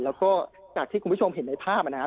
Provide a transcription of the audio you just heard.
แล้วก็จากที่คุณผู้ชมเห็นในภาพนะครับ